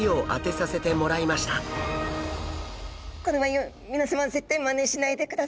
これは皆さま絶対まねしないでくださいね。